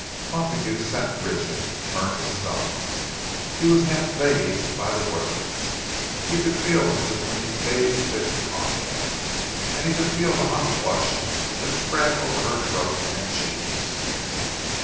Montague sat rigid, turned to stone. He was half dazed by the words. He could feel Mrs. Winnie's gaze fixed upon him; and he could feel the hot flush that spread over her throat and cheeks.